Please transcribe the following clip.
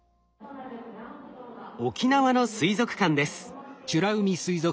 沖縄の水族館です。